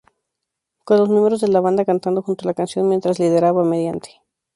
Con los miembros de la banda cantando junto a la canción, mientras lideraba mediante.